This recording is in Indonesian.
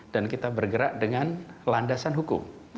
dan kita bergerak dengan landasan hukum